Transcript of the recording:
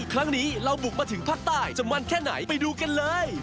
ครั้งนี้เราบุกมาถึงภาคใต้จะมันแค่ไหนไปดูกันเลย